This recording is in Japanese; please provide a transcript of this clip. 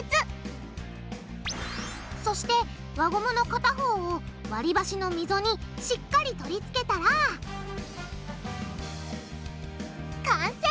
そして輪ゴムの片方を割り箸の溝にしっかり取り付けたら完成！